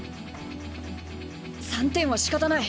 ３点はしかたない。